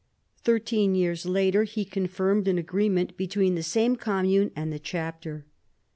Thirteen years later he con firmed an agreement between the same commune and the chapter.